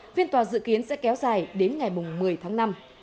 phiên tòa dự kiến sẽ kéo dài đến ngày một mươi tháng năm